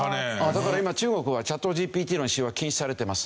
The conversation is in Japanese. だから今中国はチャットＧＰＴの使用は禁止されています。